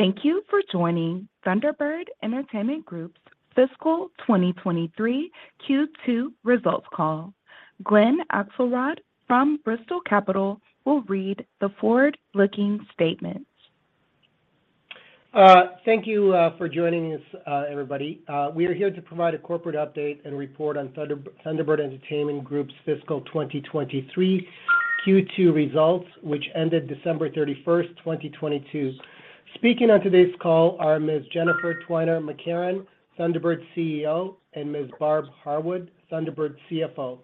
Thank you for joining Thunderbird Entertainment Group's fiscal 2023 Q2 results call. Glen Akselrod from Bristol Capital will read the forward-looking statement. Thank you for joining us, everybody. We are here to provide a corporate update and report on Thunderbird Entertainment Group's fiscal 2023 Q2 results, which ended December 31st, 2022. Speaking on today's call are Ms. Jennifer Twiner McCarron, Thunderbird's CEO, and Ms. Barb Harwood, Thunderbird's CFO.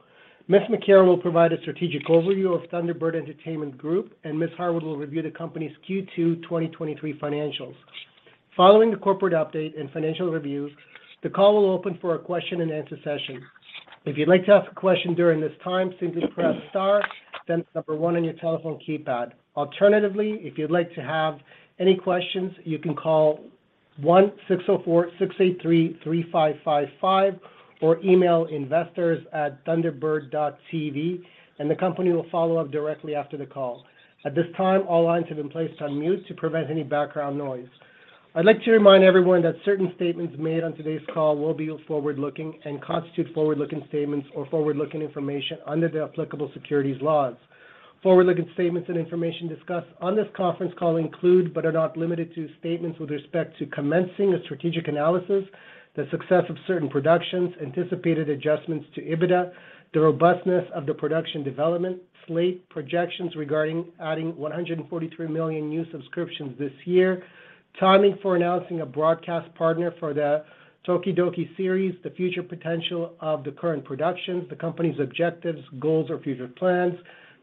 Ms. McCarron will provide a strategic overview of Thunderbird Entertainment Group, Ms. Harwood will review the company's Q2 2023 financials. Following the corporate update and financial review, the call will open for a question and answer session. If you'd like to ask a question during this time, simply press star then 1 on your telephone keypad. Alternatively, if you'd like to have any questions, you can call 1-604-683-3555 or email investors@thunderbird.tv. The company will follow up directly after the call. At this time, all lines have been placed on mute to prevent any background noise. I'd like to remind everyone that certain statements made on today's call will be forward-looking and constitute forward-looking statements or forward-looking information under the applicable securities laws. Forward-looking statements and information discussed on this conference call include, but are not limited to, statements with respect to commencing a strategic analysis, the success of certain productions, anticipated adjustments to EBITDA, the robustness of the production development, slate projections regarding adding 143 million new subscriptions this year, timing for announcing a broadcast partner for the tokidoki series, the future potential of the current productions, the company's objectives, goals or future plans,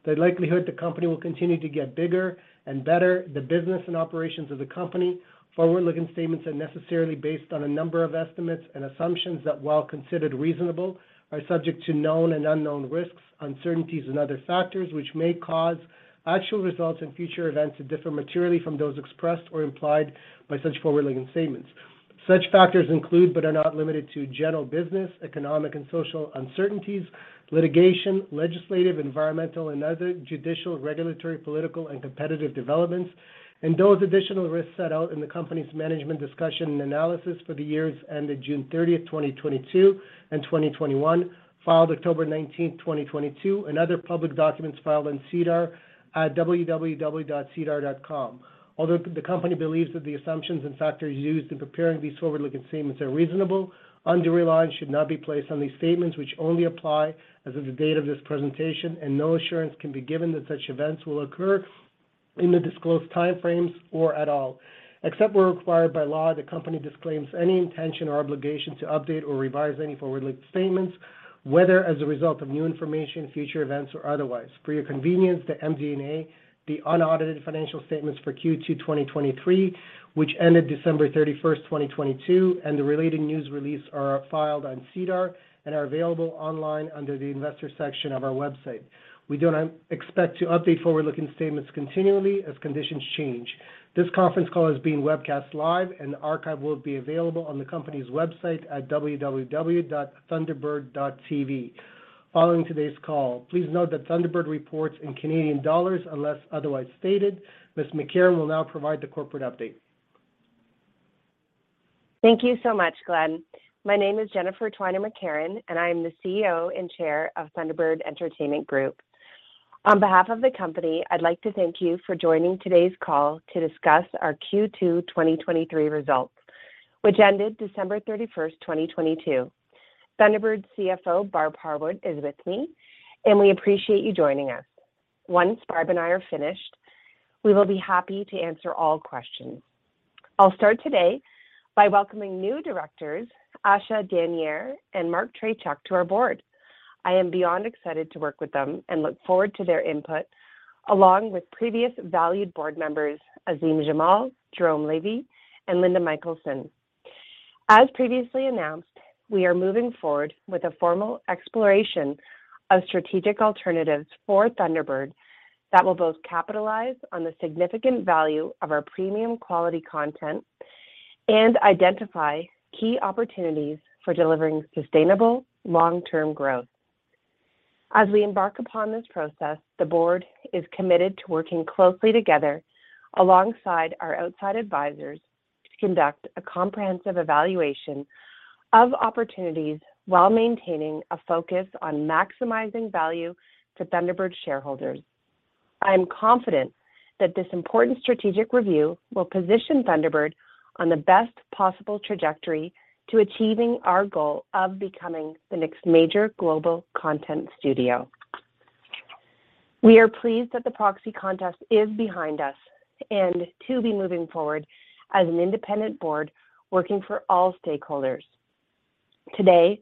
the likelihood the company will continue to get bigger and better, the business and operations of the company. Forward-looking statements are necessarily based on a number of estimates and assumptions that, while considered reasonable, are subject to known and unknown risks, uncertainties and other factors which may cause actual results and future events to differ materially from those expressed or implied by such forward-looking statements. Such factors include, but are not limited to, general business, economic and social uncertainties, litigation, legislative, environmental and other judicial, regulatory, political and competitive developments, and those additional risks set out in the company's management discussion and analysis for the years ended June 30, 2022 and 2021, filed October 19, 2022, and other public documents filed on SEDAR at www.sedar.com. Although the company believes that the assumptions and factors used in preparing these forward-looking statements are reasonable, undue reliance should not be placed on these statements which only apply as of the date of this presentation and no assurance can be given that such events will occur in the disclosed time frames or at all. Except where required by law, the company disclaims any intention or obligation to update or revise any forward-looking statements, whether as a result of new information, future events or otherwise. For your convenience, the MD&A, the unaudited financial statements for Q2 2023, which ended December 31, 2022, and the relating news release are filed on SEDAR and are available online under the Investors section of our website. We do not expect to update forward-looking statements continually as conditions change. This conference call is being webcast live and the archive will be available on the company's website at www.thunderbird.tv following today's call. Please note that Thunderbird reports in Canadian dollars unless otherwise stated. Ms. McCarron will now provide the corporate update. Thank you so much, Glen. My name is Jennifer Twiner McCarron, and I am the CEO and Chair of Thunderbird Entertainment Group. On behalf of the company, I'd like to thank you for joining today's call to discuss our Q2 2023 results, which ended December 31st, 2022. Thunderbird CFO Barb Harwood is with me, and we appreciate you joining us. Once Barb and I are finished, we will be happy to answer all questions. I'll start today by welcoming new directors, Asha Daniere and Mark Trachuk to our board. I am beyond excited to work with them and look forward to their input along with previous valued board members Azim Jamal, Jérôme Levy and Linda Michaelson. As previously announced, we are moving forward with a formal exploration of strategic alternatives for Thunderbird that will both capitalize on the significant value of our premium quality content and identify key opportunities for delivering sustainable long-term growth. As we embark upon this process, the board is committed to working closely together alongside our outside advisors to conduct a comprehensive evaluation of opportunities while maintaining a focus on maximizing value to Thunderbird shareholders. I am confident that this important strategic review will position Thunderbird on the best possible trajectory to achieving our goal of becoming the next major global content studio. We are pleased that the proxy contest is behind us and to be moving forward as an independent board working for all stakeholders. Today,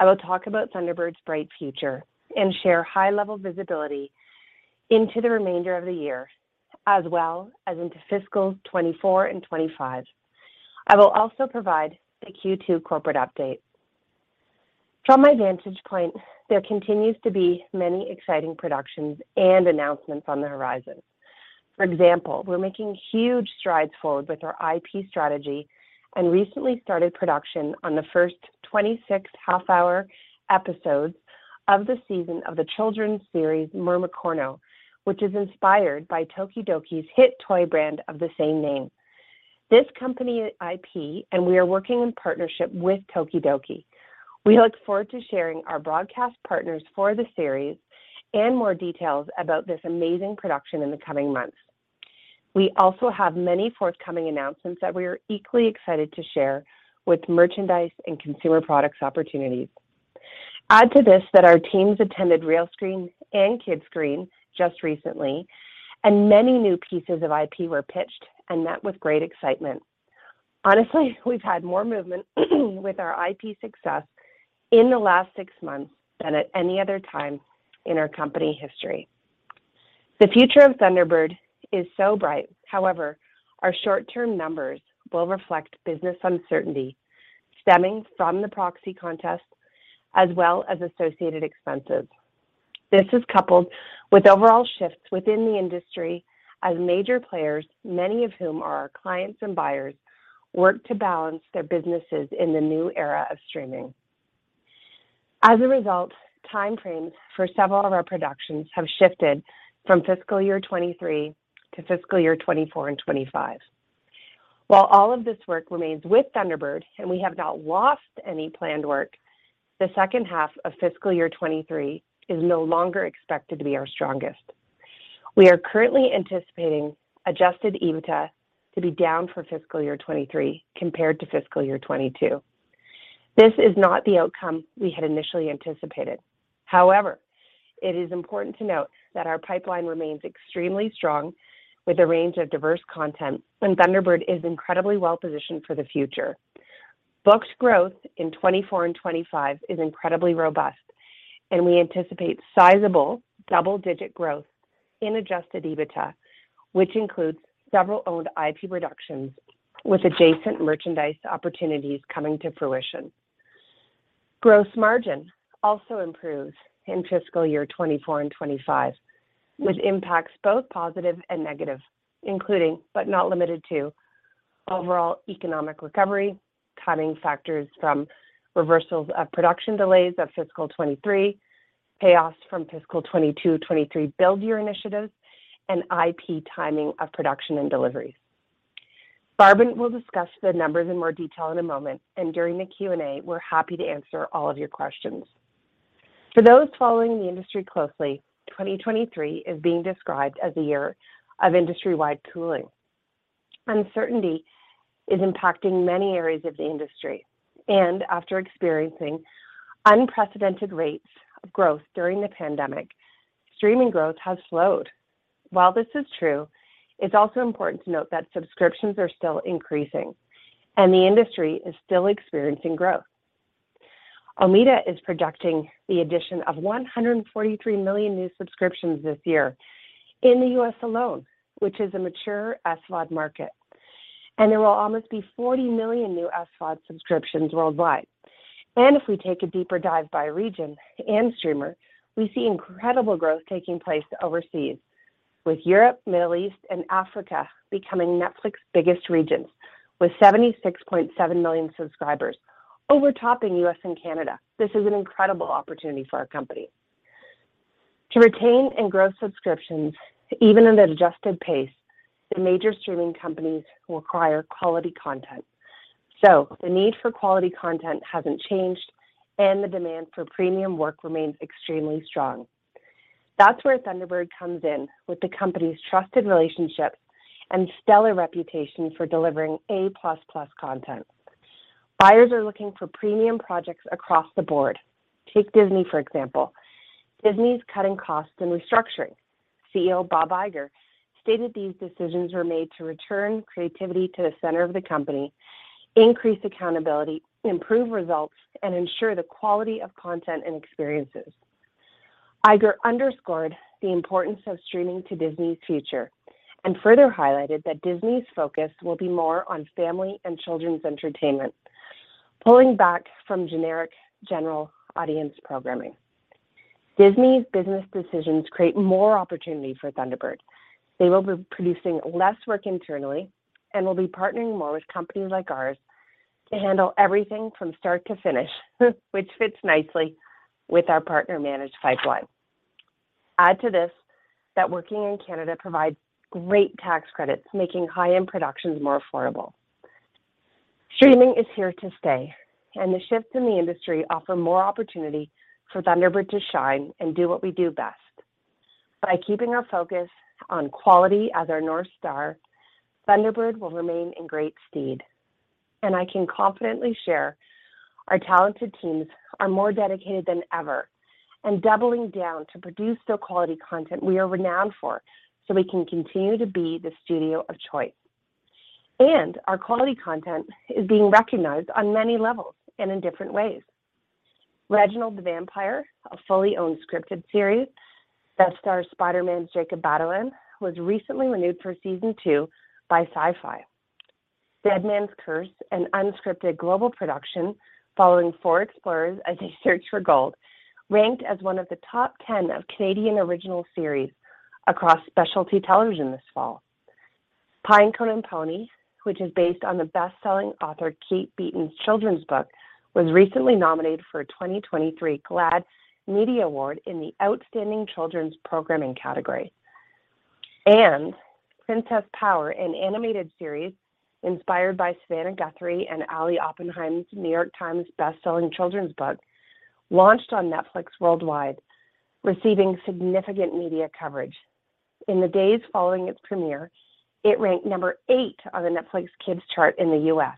I will talk about Thunderbird's bright future and share high-level visibility into the remainder of the year as well as into fiscal 2024 and 2025. I will also provide the Q2 corporate update. From my vantage point, there continues to be many exciting productions and announcements on the horizon. For example, we're making huge strides forward with our IP strategy and recently started production on the first 26 half-hour episodes of the season of the children's series, Mermicorno, which is inspired by tokidoki's hit toy brand of the same name. This company IP, and we are working in partnership with tokidoki. We look forward to sharing our broadcast partners for the series and more details about this amazing production in the coming months. We also have many forthcoming announcements that we are equally excited to share with merchandise and consumer products opportunities. Add to this that our teams attended Realscreen and Kidscreen just recently, and many new pieces of IP were pitched and met with great excitement. Honestly, we've had more movement with our IP success in the last six months than at any other time in our company history. The future of Thunderbird is so bright. However, our short-term numbers will reflect business uncertainty stemming from the proxy contest as well as associated expenses. This is coupled with overall shifts within the industry as major players, many of whom are our clients and buyers, work to balance their businesses in the new era of streaming. As a result, time frames for several of our productions have shifted from fiscal year 2023 to fiscal year 2024 and 2025. While all of this work remains with Thunderbird and we have not lost any planned work, the second half of fiscal year 2023 is no longer expected to be our strongest. We are currently anticipating adjusted EBITDA to be down for fiscal year 2023 compared to fiscal year 2022. This is not the outcome we had initially anticipated. However, it is important to note that our pipeline remains extremely strong with a range of diverse content, and Thunderbird is incredibly well positioned for the future. Booked growth in 2024 and 2025 is incredibly robust, and we anticipate sizable double-digit growth in adjusted EBITDA, which includes several owned IP reductions with adjacent merchandise opportunities coming to fruition. Gross margin also improves in fiscal year 2024 and 2025, with impacts both positive and negative, including but not limited to overall economic recovery, timing factors from reversals of production delays of fiscal 2023, payoffs from fiscal 2022/2023 build year initiatives, and IP timing of production and deliveries. Barb will discuss the numbers in more detail in a moment, and during the Q&A, we're happy to answer all of your questions. For those following the industry closely, 2023 is being described as a year of industry-wide cooling. Uncertainty is impacting many areas of the industry, and after experiencing unprecedented rates of growth during the pandemic, streaming growth has slowed. While this is true, it's also important to note that subscriptions are still increasing, and the industry is still experiencing growth. Omdia is projecting the addition of 143 million new subscriptions this year in the US alone, which is a mature SVOD market. There will almost be 40 million new SVOD subscriptions worldwide. If we take a deeper dive by region and streamer, we see incredible growth taking place overseas, with Europe, Middle East, and Africa becoming Netflix's biggest regions, with 76.7 million subscribers, overtopping US and Canada. This is an incredible opportunity for our company. To retain and grow subscriptions, even at an adjusted pace, the major streaming companies require quality content. The need for quality content hasn't changed, and the demand for premium work remains extremely strong. That's where Thunderbird comes in with the company's trusted relationships and stellar reputation for delivering A++ content. Buyers are looking for premium projects across the board. Take Disney, for example. Disney's cutting costs and restructuring. CEO Bob Iger stated these decisions were made to return creativity to the center of the company, increase accountability, improve results, and ensure the quality of content and experiences. Iger underscored the importance of streaming to Disney's future and further highlighted that Disney's focus will be more on family and children's entertainment, pulling back from generic general audience programming. Disney's business decisions create more opportunity for Thunderbird. They will be producing less work internally and will be partnering more with companies like ours to handle everything from start to finish, which fits nicely with our partner-managed pipeline. Add to this that working in Canada provides great tax credits, making high-end productions more affordable. Streaming is here to stay, and the shifts in the industry offer more opportunity for Thunderbird to shine and do what we do best. By keeping our focus on quality as our North Star, Thunderbird will remain in great stead. I can confidently share our talented teams are more dedicated than ever and doubling down to produce the quality content we are renowned for so we can continue to be the studio of choice. Our quality content is being recognized on many levels and in different ways. Reginald the Vampire, a fully owned scripted series that stars Spider-Man's Jacob Batalon, was recently renewed for season 2 by Syfy. Deadman's Curse, an unscripted global production following 4 explorers as they search for gold, ranked as one of the top 10 of Canadian original series across specialty television this fall. Pinecone & Pony, which is based on the best-selling author Kate Beaton's children's book, was recently nominated for a 2023 GLAAD Media Award in the Outstanding Children's Programming category. Princess Power, an animated series inspired by Savannah Guthrie and Allie Oppenheim's New York Times bestselling children's book, launched on Netflix worldwide, receiving significant media coverage. In the days following its premiere, it ranked number 8 on the Netflix kids chart in the U.S.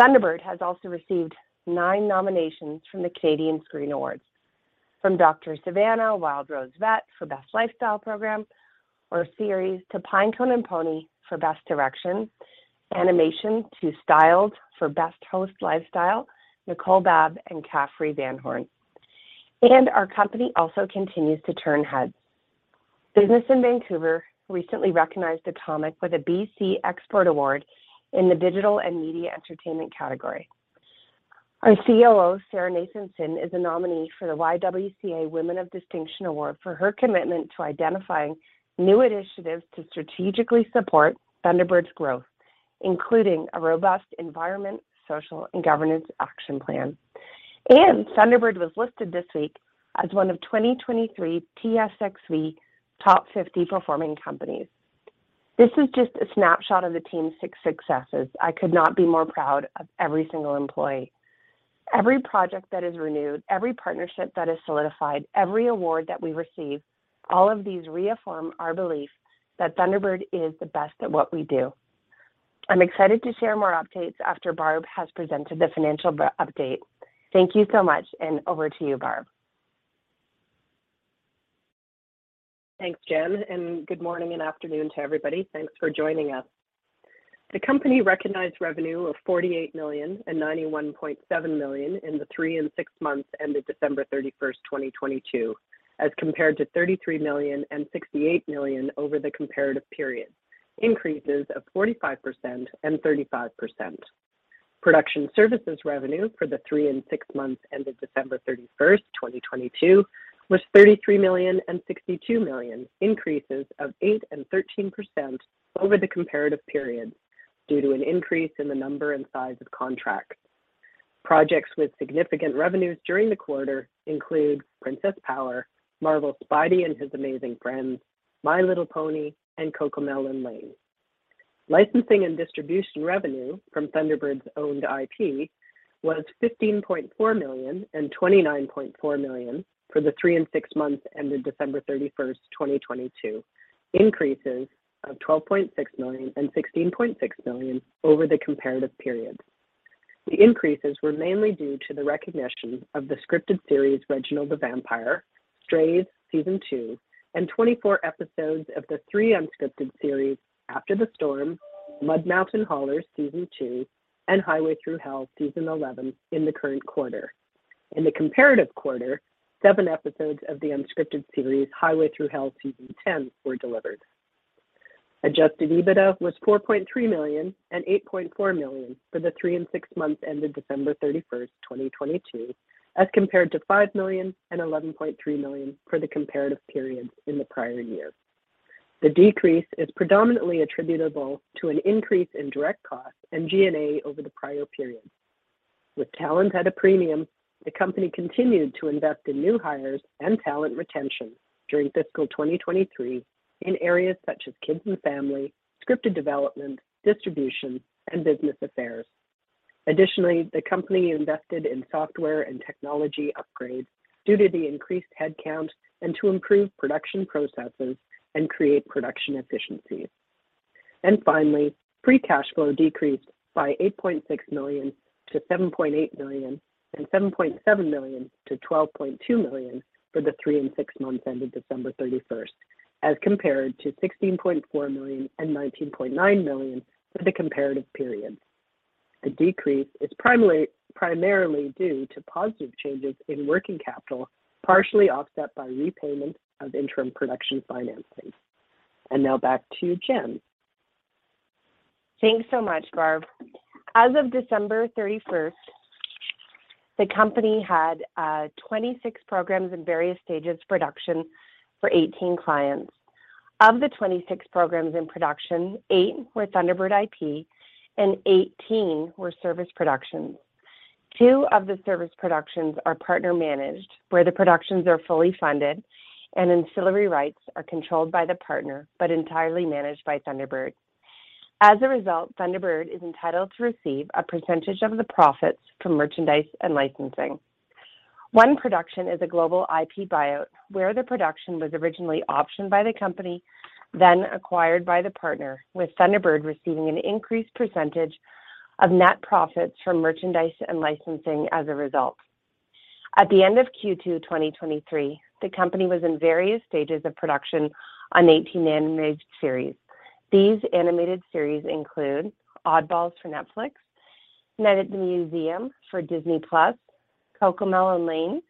Thunderbird has also received 9 nominations from the Canadian Screen Awards. Wild Rose Vet for best lifestyle program or series to Pinecone & Pony for best direction animation to Styled for best host lifestyle, Nicole Babb and Caffery Vanhorne. Our company also continues to turn heads. Business in Vancouver recently recognized Atomic with a BC Export Award in the digital and media entertainment category. Our COO, Sarah Nathanson, is a nominee for the YWCA Women of Distinction Award for her commitment to identifying new initiatives to strategically support Thunderbird's growth, including a robust environment, social, and governance action plan. Thunderbird was listed this week as one of 2023 TSXV top 50 performing companies. This is just a snapshot of the team's six successes. I could not be more proud of every single employee. Every project that is renewed, every partnership that is solidified, every award that we receive, all of these reaffirm our belief that Thunderbird is the best at what we do. I'm excited to share more updates after Barb has presented the financial update. Thank you so much, and over to you, Barb. Thanks, Jen. Good morning and afternoon to everybody. Thanks for joining us. The company recognized revenue of 48 million and 91.7 million in the three and six months ended December 31, 2022, as compared to 33 million and 68 million over the comparative period, increases of 45% and 35%. Production services revenue for the three and six months ended December 31, 2022 was 33 million and 62 million, increases of 8% and 13% over the comparative period due to an increase in the number and size of contracts. Projects with significant revenues during the quarter include Princess Power, Marvel's Spidey and His Amazing Friends, My Little Pony, and CoComelon Lane. Licensing and distribution revenue from Thunderbird's owned IP was 15.4 million and 29.4 million for the 3 and 6 months ended December 31, 2022, increases of 12.6 million and 16.6 million over the comparative period. The increases were mainly due to the recognition of the scripted series, Reginald the Vampire, Strays Season 2, and 24 episodes of the 3 unscripted series After the Storm, Mud Mountain Haulers Season 2, and Highway Thru Hell Season 11 in the current quarter. In the comparative quarter, 7 episodes of the unscripted series, Highway Thru Hell Season 10 were delivered. Adjusted EBITDA was 4.3 million and 8.4 million for the 3 and 6 months ended December 31, 2022, as compared to 5 million and 11.3 million for the comparative period in the prior year. The decrease is predominantly attributable to an increase in direct costs and G&A over the prior period. With talent at a premium, the company continued to invest in new hires and talent retention during fiscal 2023 in areas such as kids and family, scripted development, distribution, and business affairs. Additionally, the company invested in software and technology upgrades due to the increased headcount and to improve production processes and create production efficiencies. Finally, free cash flow decreased by 8.6 million to 7.8 million and 7.7 million to 12.2 million for the 3 and 6 months ended December 31st, as compared to 16.4 million and 19.9 million for the comparative period. The decrease is primarily due to positive changes in working capital, partially offset by repayment of interim production financing. Now back to you, Jen. Thanks so much, Barb. As of December 31st, the company had 26 programs in various stages of production for 18 clients. Of the 26 programs in production, 8 were Thunderbird IP and 18 were service productions. 2 of the service productions are partner managed, where the productions are fully funded and ancillary rights are controlled by the partner, but entirely managed by Thunderbird. As a result, Thunderbird is entitled to receive a percentage of the profits from merchandise and licensing. 1 production is a global IP buyout where the production was originally optioned by the company, then acquired by the partner, with Thunderbird receiving an increased percentage of net profits from merchandise and licensing as a result. At the end of Q2 2023, the company was in various stages of production on 18 animated series. These animated series include Oddballs for Netflix, Night at the Museum for Disney+, CoComelon Lane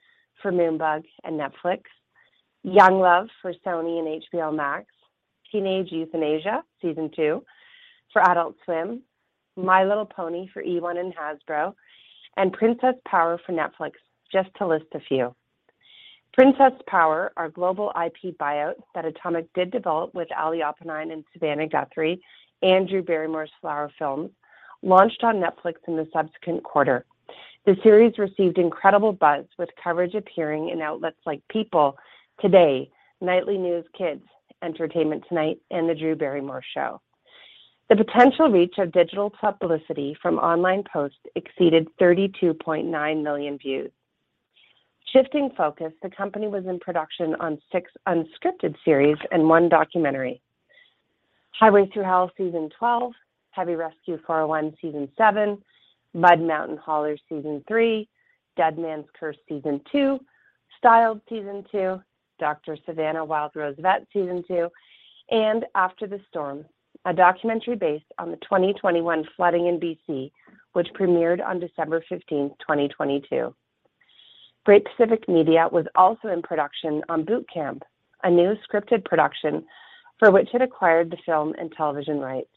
for Moonbug and Netflix, Young Love for Sony and HBO Max, Teenage Euthanasia Season 2 for Adult Swim, My Little Pony for eOne and Hasbro, and Princess Power for Netflix, just to list a few. Princess Power, our global IP buyout that Atomic did develop with Allie Oppenheim and Savannah Guthrie, and Drew Barrymore's Flower Films, launched on Netflix in the subsequent quarter. The series received incredible buzz with coverage appearing in outlets like People, TODAY, Nightly News Kids, Entertainment Tonight, and The Drew Barrymore Show. The potential reach of digital publicity from online posts exceeded 32.9 million views. Shifting focus, the company was in production on 6 unscripted series and 1 documentary. Highway Thru Hell, season 12, Heavy Rescue: 401, season 7, Mud Mountain Haulers, season 3, Deadman's Curse, season 2, Styled, season 2, Dr. Savannah: Wild Rose Vet, season 2, and After the Storm, a documentary based on the 2021 flooding in BC, which premiered on December 15th, 2022. Great Pacific Media was also in production on Boot Camp, a new scripted production for which it acquired the film and television rights.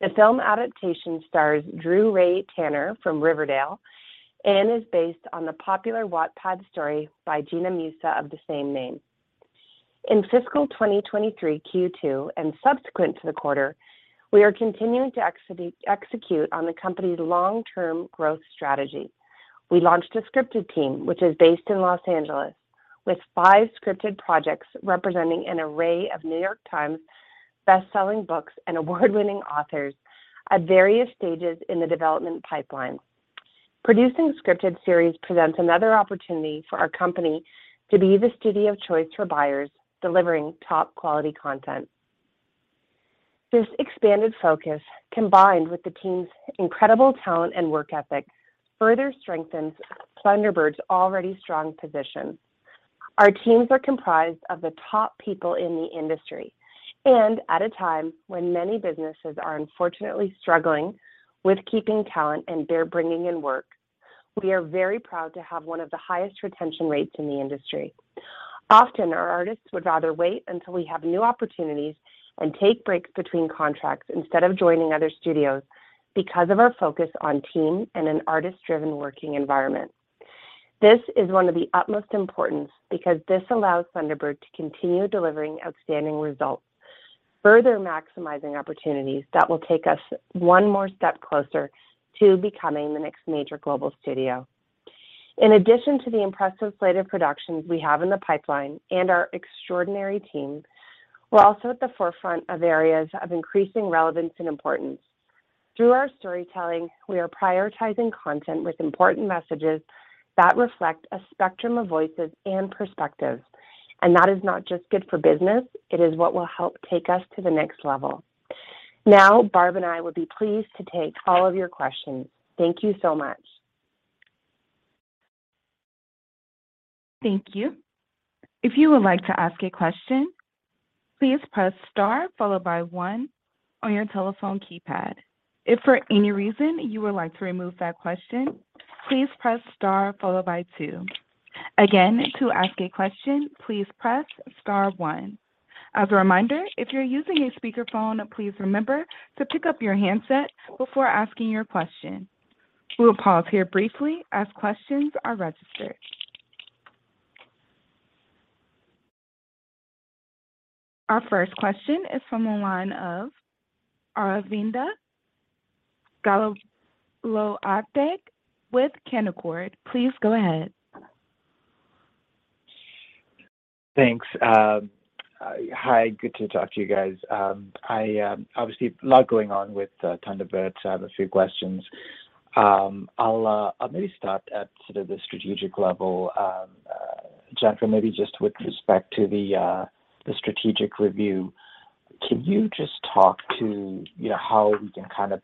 The film adaptation stars Drew Ray Tanner from Riverdale and is based on the popular Wattpad story by Gina Musa of the same name. In fiscal 2023 Q2 and subsequent to the quarter, we are continuing to execute on the company's long-term growth strategy. We launched a scripted team, which is based in Los Angeles, with five scripted projects representing an array of New York Times best-selling books and award-winning authors at various stages in the development pipeline. Producing scripted series presents another opportunity for our company to be the studio of choice for buyers delivering top-quality content. This expanded focus, combined with the team's incredible talent and work ethic, further strengthens Thunderbird's already strong position. Our teams are comprised of the top people in the industry, and at a time when many businesses are unfortunately struggling with keeping talent and they're bringing in work, we are very proud to have one of the highest retention rates in the industry. Often, our artists would rather wait until we have new opportunities and take breaks between contracts instead of joining other studios because of our focus on team and an artist-driven working environment. This is one of the utmost importance because this allows Thunderbird to continue delivering outstanding results, further maximizing opportunities that will take us one more step closer to becoming the next major global studio. In addition to the impressive slate of productions we have in the pipeline and our extraordinary team, we're also at the forefront of areas of increasing relevance and importance. Through our storytelling, we are prioritizing content with important messages that reflect a spectrum of voices and perspectives, and that is not just good for business, it is what will help take us to the next level. Now, Barb and I would be pleased to take all of your questions. Thank you so much. Thank you. If you would like to ask a question, please press star followed by 1 on your telephone keypad. If for any reason you would like to remove that question, please press star followed by 2. Again, to ask a question, please press star 1. As a reminder, if you're using a speakerphone, please remember to pick up your handset before asking your question. We will pause here briefly as questions are registered. Our first question is from the line of Aravinda Galappatthige with Canaccord. Please go ahead. Thanks. Hi, good to talk to you guys. Obviously a lot going on with Thunderbird, so I have a few questions. I'll maybe start at sort of the strategic level. Jennifer, maybe just with respect to the strategic review, can you just talk to, how we can kind of,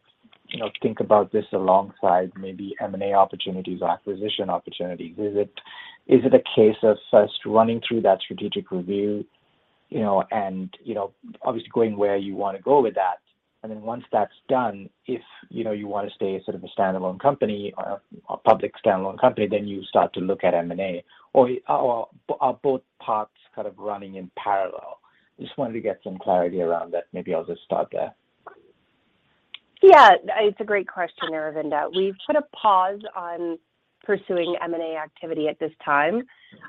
think about this alongside maybe M&A opportunities or acquisition opportunities? Is it a case of us running through that strategic review, and, obviously going where you wanna go with that, and then once that's done, if, you wanna stay sort of a standalone company or a public standalone company, then you start to look at M&A? Or are both parts kind of running in parallel? Just wanted to get some clarity around that. Maybe I'll just start there. Yeah. It's a great question, Aravinda. We've put a pause on pursuing M&A activity at this time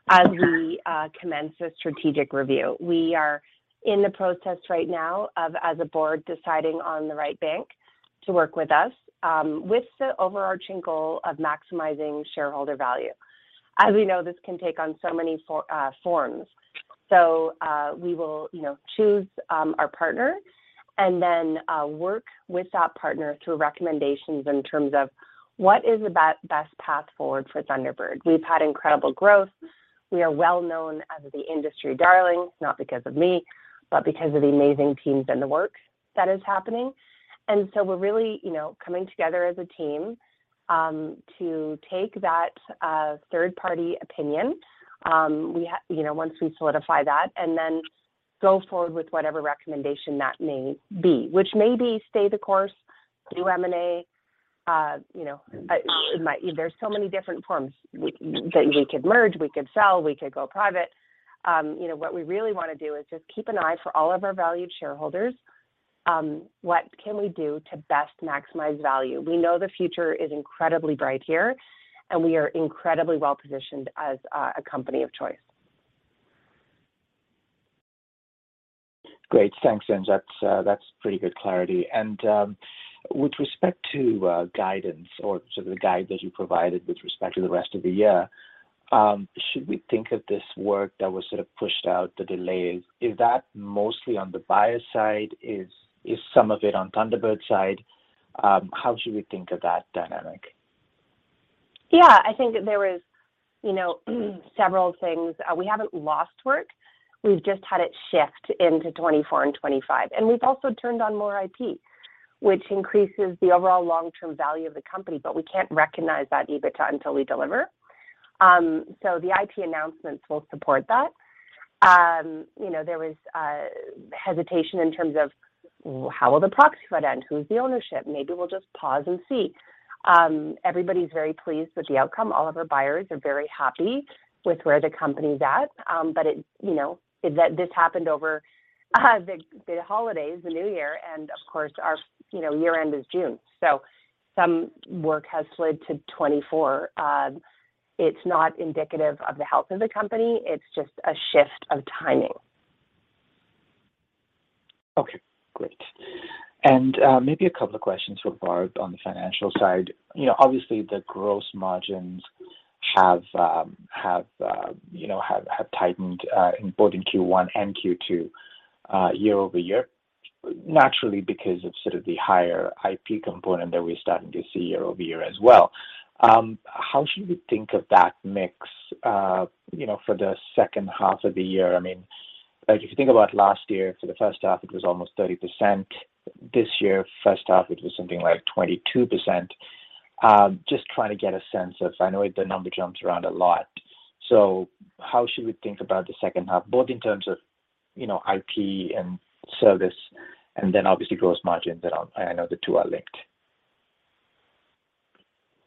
as we commence a strategic review. We are in the process right now of, as a board, deciding on the right bank to work with us, with the overarching goal of maximizing shareholder value. As we know, this can take on so many forms. We will, choose our partner and then work with that partner through recommendations in terms of what is the best path forward for Thunderbird. We've had incredible growth. We are well known as the industry darling, not because of me, but because of the amazing teams and the work that is happening. We're really, coming together as a team, to take that third-party opinion. You know, once we solidify that, and then go forward with whatever recommendation that may be, which may be stay the course, do M&A. You know, there's so many different forms. We could merge, we could sell, we could go private. You know, what we really wanna do is just keep an eye for all of our valued shareholders, what can we do to best maximize value? We know the future is incredibly bright here, and we are incredibly well-positioned as a company of choice. Great. Thanks, Jen. That's pretty good clarity. With respect to guidance or sort of the guide that you provided with respect to the rest of the year, should we think of this work that was sort of pushed out, the delays, is that mostly on the buyer side? Is some of it on Thunderbird side? How should we think of that dynamic? Yeah. I think there was, several things. We haven't lost work. We've just had it shift into 2024 and 2025. We've also turned on more IP, which increases the overall long-term value of the company, but we can't recognize that EBITDA until we deliver. The IP announcements will support that. You know, there was hesitation in terms of how will the proxy fight end? Who's the ownership? Maybe we'll just pause and see. Everybody's very pleased with the outcome. All of our buyers are very happy with where the company's at. But it, that this happened over the holidays, the new year, and of course, our year-end is June. Some work has slid to 2024. It's not indicative of the health of the company. It's just a shift of timing. Okay. Great. Maybe a couple of questions for Barb on the financial side. You know, obviously, the gross margins have tightened in both in Q1 and Q2 year-over-year, naturally because of sort of the higher IP component that we're starting to see year-over-year as well. How should we think of that mix, for the second half of the year? I mean, like if you think about last year, for the first half, it was almost 30%. This year, first half, it was something like 22%. Just trying to get a sense of. I know the number jumps around a lot. How should we think about the second half, both in terms of, IP and service, and then obviously gross margin? I know the two are linked.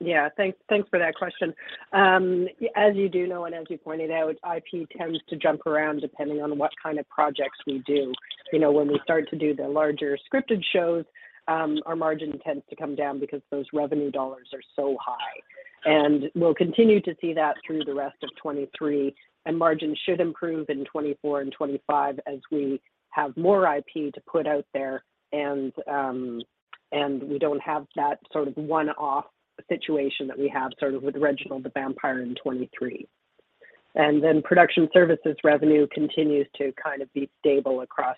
Yeah. Thanks, thanks for that question. As you do know, and as you pointed out, IP tends to jump around depending on what kind of projects we do. You know, when we start to do the larger scripted shows, our margin tends to come down because those revenue dollars are so high. We'll continue to see that through the rest of 2023, and margins should improve in 2024 and 2025 as we have more IP to put out there and we don't have that sort of one-off situation that we have sort of with Reginald the Vampire in 2023. Production services revenue continues to kind of be stable across,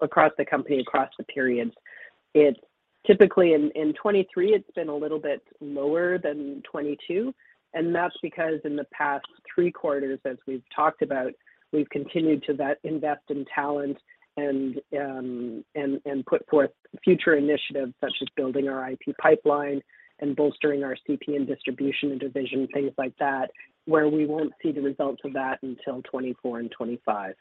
across the company, across the periods. It's typically in 2023, it's been a little bit lower than 2022, and that's because in the past three quarters, as we've talked about, we've continued to invest in talent and put forth future initiatives such as building our IP pipeline and bolstering our GPM distribution and division, things like that, where we won't see the results of that until 2024 and 2025.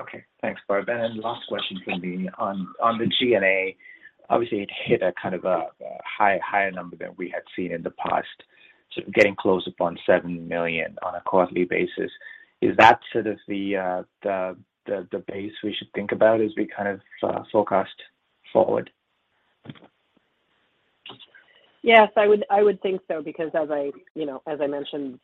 Okay. Thanks, Barb. Last question from me. On the G&A, obviously, it hit a kind of a higher number than we had seen in the past, getting close upon 7 million on a quarterly basis. Is that sort of the base we should think about as we kind of forecast forward? Yes, I would think so because as I, as I mentioned,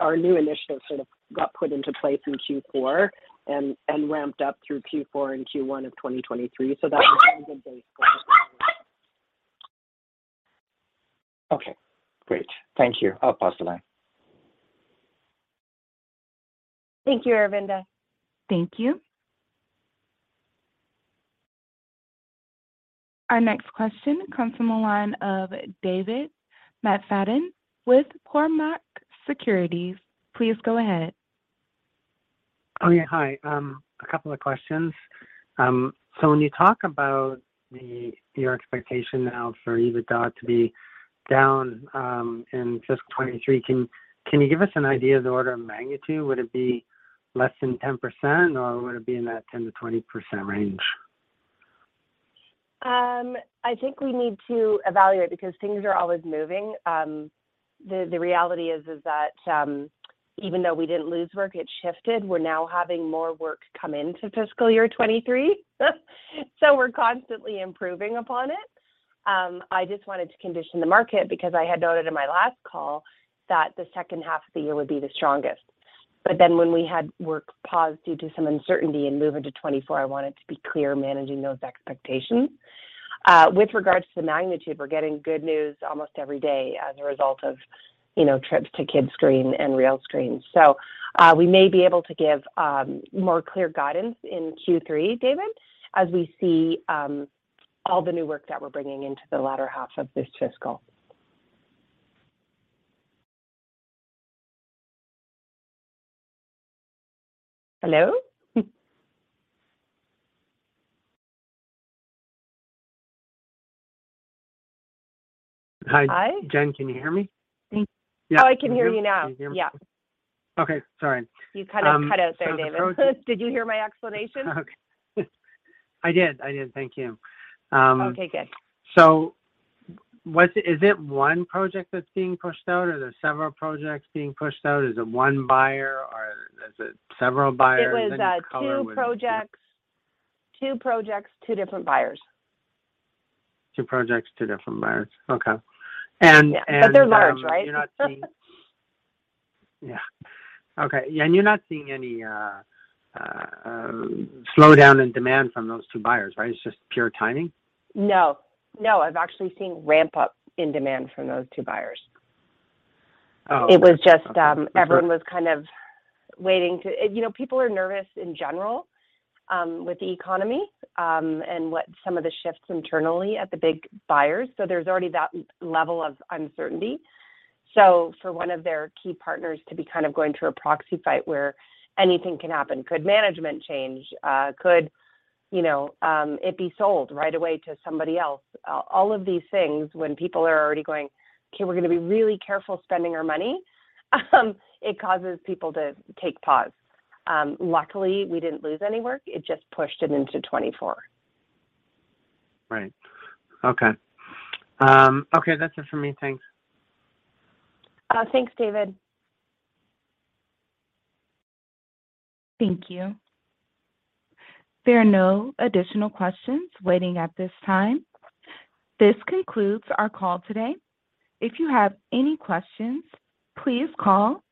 our new initiatives sort of got put into place in Q4 and ramped up through Q4 and Q1 of 2023, so that would be a good base going forward. Okay. Great. Thank you. I'll pause the line. Thank you, Aravinda. Thank you. Our next question comes from the line of David McFadgen with Cormark Securities. Please go ahead. Oh, yeah. Hi. A couple of questions. When you talk about your expectation now for EBITDA to be down in fiscal 2023, can you give us an idea of the order of magnitude? Would it be less than 10%, or would it be in that 10%-20% range? I think we need to evaluate because things are always moving. The reality is that even though we didn't lose work, it shifted. We're now having more work come into fiscal year 2023 so we're constantly improving upon it. I just wanted to condition the market because I had noted in my last call that the second half of the year would be the strongest. When we had work paused due to some uncertainty and move into 2024, I wanted to be clear managing those expectations. With regards to the magnitude, we're getting good news almost every day as a result of, trips to Kidscreen and Realscreen. We may be able to give more clear guidance in Q3, David, as we see all the new work that we're bringing into the latter half of this fiscal. Hello? Hi. Hi. Jen, can you hear me? Oh, I can hear you now. Can you hear me? Yeah. Okay. Sorry. You cut out there, David. Did you hear my explanation? Okay. I did. Thank you. Okay, good. Is it one project that's being pushed out, or are there several projects being pushed out? Is it one buyer or is it several buyers? Can you color with. It was 2 projects, 2 different buyers. Two projects, two different buyers. Okay. Yeah. They're large, right? You're not seeing... Yeah. Okay. Yeah, you're not seeing any slowdown in demand from those two buyers, right? It's just pure timing? No. No. I've actually seen ramp-up in demand from those two buyers. Oh, okay. It was just, everyone was kind of waiting to. You know, people are nervous in general, with the economy, and what some of the shifts internally at the big buyers, so there's already that level of uncertainty. For one of their key partners to be kind of going through a proxy fight where anything can happen, could management change? Could, it be sold right away to somebody else? All of these things, when people are already going, "Okay, we're gonna be really careful spending our money," it causes people to take pause. Luckily, we didn't lose any work. It just pushed it into 2024. Right. Okay. Okay. That's it for me. Thanks. Thanks, David. Thank you. There are no additional questions waiting at this time. This concludes our call today. If you have any questions, please call